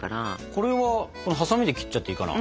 これはハサミで切っちゃっていいかな？